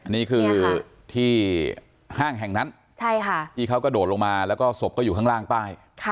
นี่คือที่ห้างแห่งนั้นที่เขากระโดดลงมาแล้วก็ศพก็อยู่ข้างล่างป้าย